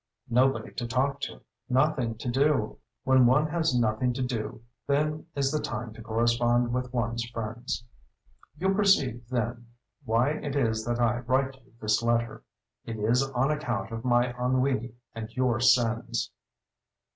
Nobody to talk to. Nothing to do. When one has nothing to do, then is the time to correspond with ones friends. You perceive, then, why it is that I write you this letter—it is on account of my ennui and your sins.